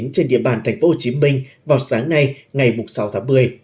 trên địa bàn thành phố hồ chí minh vào sáng nay ngày sáu tháng một mươi